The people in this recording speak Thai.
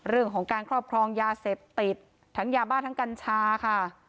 เรื่องของการครอบครองยาเสพติดทั้งยาบ้าทั้งกัญชาค่ะ